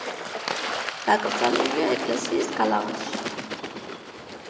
დაკრძალულია ეკლესიის გალავანში.